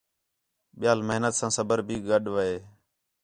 ٻِیال محنت ساں صبر بھی گݙ وے